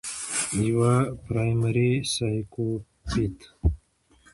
يوه پرائمري سايکوپېت